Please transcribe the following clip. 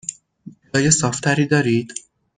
جای صاف تری دارید؟